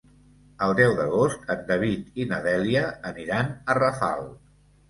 El deu d'agost en David i na Dèlia aniran a Rafal.